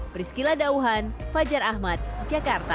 priscila dauhan fajar ahmad jakarta